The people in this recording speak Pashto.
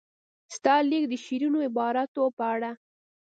ستا لیک د شیرینو عباراتو په اړه.